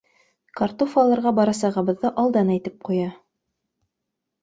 Картуф алырға барасағыбыҙҙы алдан әйтеп ҡуя.